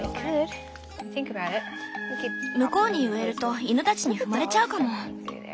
向こうに植えると犬たちに踏まれちゃうかも。